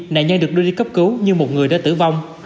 nạn nhân được đưa đi cấp cứu nhưng một người đã tử vong